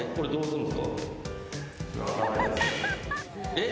えっ？